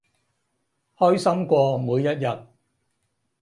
開心過每一日